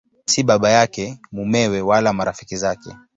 Si baba yake, mumewe wala marafiki zake.